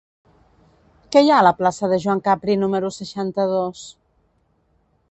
Què hi ha a la plaça de Joan Capri número seixanta-dos?